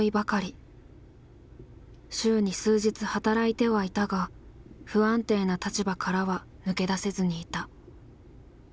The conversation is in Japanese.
週に数日働いてはいたが不安定な立場からは抜け出せずにいた。